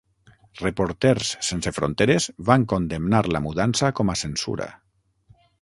Reporters Sense Fronteres van condemnar la mudança com a censura.